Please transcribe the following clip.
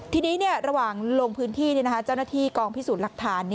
ทีนี้ระหว่างลงพื้นที่เจ้าหน้าที่กองพิสูจน์หลักฐาน